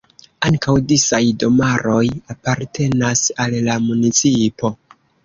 Ankaŭ disaj domaroj apartenas al la municipo.